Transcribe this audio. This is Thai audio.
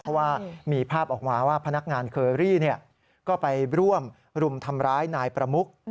เพราะว่ามีภาพออกมาว่าพนักงานเคอรี่ก็ไปร่วมรุมทำร้ายนายประมุก